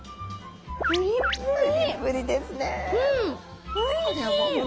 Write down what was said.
プリプリですね。